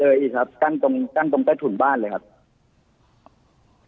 เลยอีกครับกั้นตรงใกล้ถุนบ้านเลยครับ